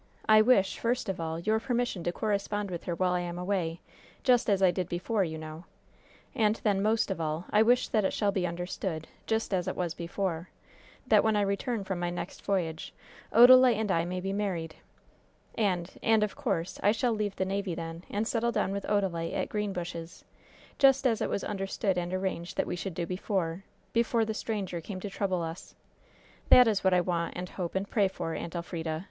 I wish, first of all, your permission to correspond with her while I am away, just as I did before, you know! And then, most of all, I wish that it shall be understood just as it was before that when I return from my next voyage Odalite and I may be married. And and, of course, I shall leave the navy then and settle down with Odalite at Greenbushes just as it was understood and arranged that we should do before before the stranger came to trouble us. That is what I want and hope and pray for, Aunt Elfrida!"